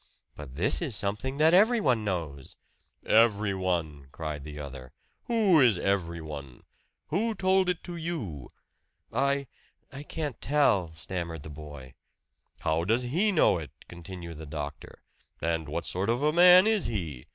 "But this is something that everyone knows." "Everyone!" cried the other. "Who is everyone? Who told it to you?" "I I can't tell," stammered the boy. "How does he know it?" continued the doctor. "And what sort of a man is he?